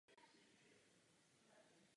Obec leží na pravém břehu řeky Loiry.